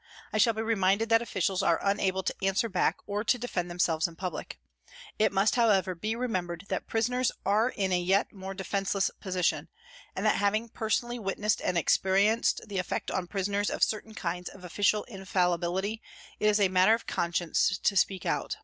I shall be reminded that officials are unable to answer back or to defend themselves in public. It must, how ever, be remembered that prisoners are in a yet more defenceless position, and that having person ally witnessed and experienced the effect on prisoners of certain kinds of official inf allibility, it is a matter of conscience to speak out.